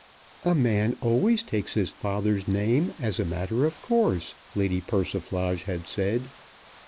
"A man always takes his father's name as a matter of course," Lady Persiflage had said.